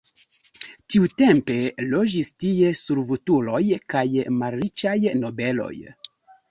Tiutempe loĝis tie servutuloj kaj malriĉaj nobeloj.